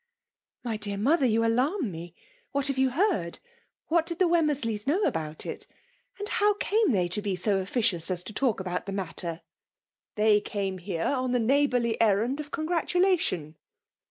,..*' My dear mother> you al^m me ! What have you heard ? What did the Wemmeiw . leys knowabout.it? And how came thi^yto be 90 officious as to talk about the matter V " They came here on the neighbo.urly errwd of congratulation.